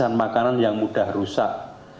makanan makanan yang mudah rusak